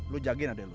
lo jagain adek lo ya